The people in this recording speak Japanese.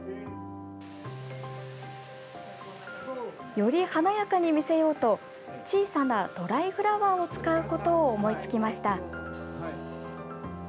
より華やかに見せようと小さなドライフラワーを使うことを思いつきました。